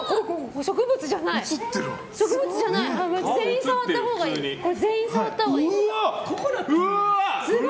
植物じゃない、これ。